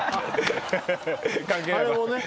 あれもね。